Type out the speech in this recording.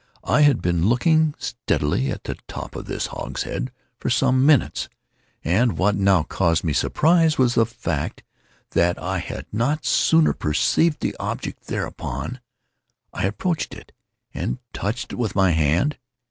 I had been looking steadily at the top of this hogshead for some minutes, and what now caused me surprise was the fact that I had not sooner perceived the object thereupon. I approached it, and touched it with my hand.